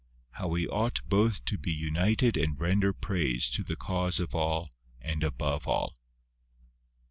How we ought both to be united and render praise to the Cause of all and above all.